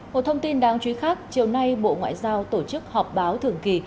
một thông tin đáng chú ý khác chiều nay bộ ngoại giao tổ chức họp báo thường kỳ